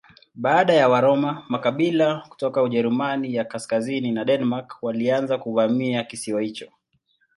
Baada ya Waroma makabila kutoka Ujerumani ya kaskazini na Denmark walianza kuvamia kisiwa hicho.